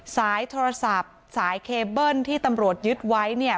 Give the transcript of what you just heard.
สายโทรศัพท์สายเคเบิ้ลที่ตำรวจยึดไว้เนี่ย